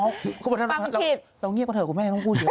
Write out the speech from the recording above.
เขาบอกว่าเราเงียบกันเถอะคุณแม่ไม่ต้องพูดเยอะ